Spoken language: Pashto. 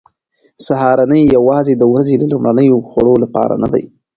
سهارنۍ یوازې د ورځې د لومړنیو خوړو لپاره نه ده.